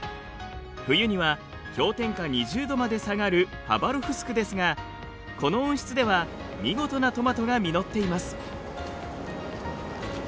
冬には氷点下２０度まで下がるハバロフスクですがこの温室では見事なトマトが実っています。